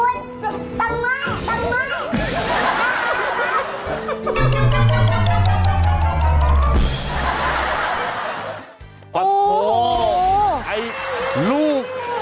จับพ่อเรื่องอะไรลูก